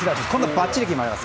ばっちり決まります。